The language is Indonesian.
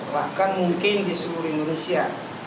bahkan mungkin di seluruh indonesia